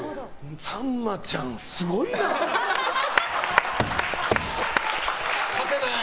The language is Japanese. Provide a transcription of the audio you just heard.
さんまちゃんすごいなって。